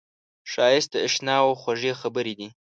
ښایست د اشناوو خوږې خبرې دي